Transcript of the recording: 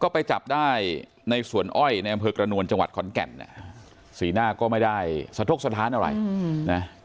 ไปจับได้ในส่วน้อยใต้เกือบกระนวนจังหวัดขอนแก่นเนี่ยสี่หน้าก็ไม่ได้สรภพสทานอะไรนะ